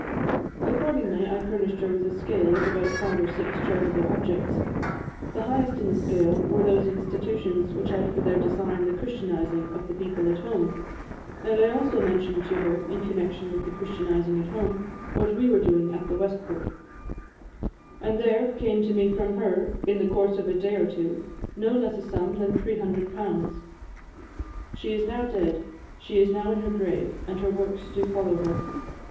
Accordingly, I furnished her with a scale of about five or six charitable objects. The highest in the scale were those institutions which had for their design the Christianising of the people at home; and I also mentioned to her, in connexion with the Christianising at home, what we were doing at the West Port; and there came to me from her, in the course of a day or two, no less a sum than £300. She is now dead; she is now in her grave, and her works do follow her.